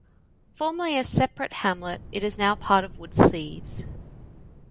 Formerly a separate hamlet, it is now part of Woodseaves.